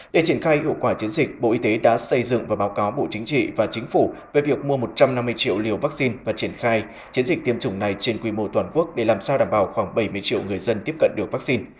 để triển khai hiệu quả chiến dịch bộ y tế đã xây dựng và báo cáo bộ chính trị và chính phủ về việc mua một trăm năm mươi triệu liều vaccine và triển khai chiến dịch tiêm chủng này trên quy mô toàn quốc để làm sao đảm bảo khoảng bảy mươi triệu người dân tiếp cận được vaccine